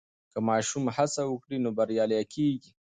که ماشوم هڅه وکړي نو بریالی کېږي.